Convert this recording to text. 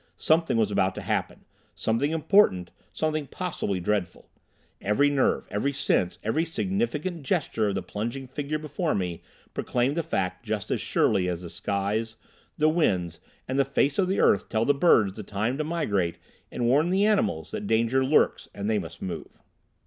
Something was about to happen, something important, something possibly dreadful. Every nerve, every sense, every significant gesture of the plunging figure before me proclaimed the fact just as surely as the skies, the winds, and the face of the earth tell the birds the time to migrate and warn the animals that danger lurks and they must move.